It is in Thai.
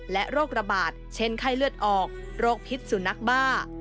โรคระบาดเช่นไข้เลือดออกโรคพิษสุนัขบ้า